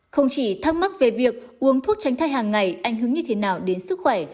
không chỉ thắc mắc về việc uống thuốc tránh thai hàng ngày ảnh hưởng như thế nào đến sức khỏe